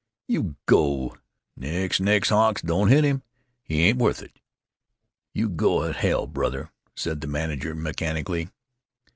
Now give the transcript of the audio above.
"You go——Nix, nix, Hawk, don't hit him; he ain't worth it. You go to hell, brother," said the manager, mechanically.